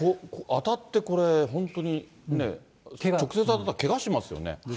当たってこれ、本当に直接当たったらけがしますよね。